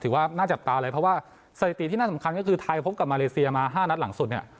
ว่าน่าจับตาเลยเพราะว่าสถิติที่น่าสำคัญก็คือไทยพบกับมาเลเซียมา๕นัดหลังสุดเนี่ย